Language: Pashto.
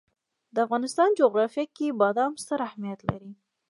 د افغانستان جغرافیه کې بادام ستر اهمیت لري.